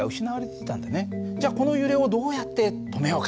じゃこの揺れをどうやって止めようか。